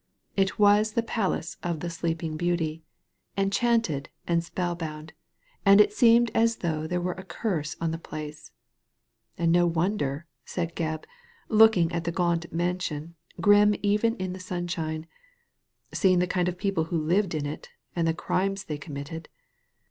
It was the palace of the Sleeping Beauty, enchanted and spell bound, and it seemed as though there were a curse on the place. "And no wonder!'' said Gebb, looking at the gaunt mansion, grim even in the sunshine, "seeing the land of people who lived in it, and the crimes they committed.